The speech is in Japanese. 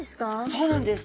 そうなんです。